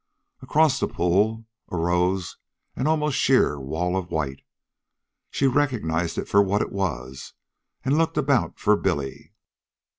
Across the pool arose an almost sheer wall of white. She recognized it for what it was, and looked about for Billy.